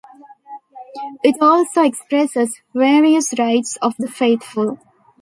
It also expresses various rights of the faithful.